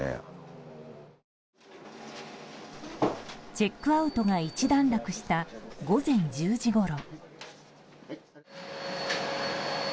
チェックアウトが一段落した午前１０時ごろ。